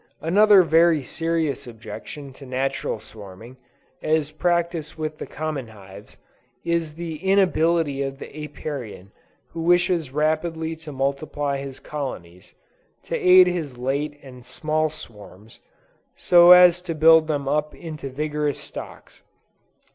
Another very serious objection to Natural Swarming, as practiced with the common hives, is the inability of the Apiarian who wishes rapidly to multiply his colonies, to aid his late and small swarms, so as to build them up into vigorous stocks.